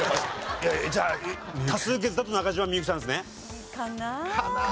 じゃあ多数決だと中島みゆきさんですね？かな。